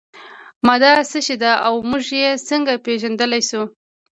ماده څه شی ده او موږ یې څنګه پیژندلی شو